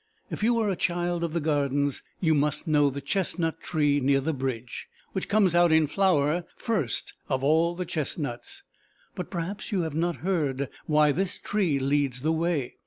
If you are a child of the Gardens you must know the chestnut tree near the bridge, which comes out in flower first of all the chestnuts, but perhaps you have not heard why this tree leads the way.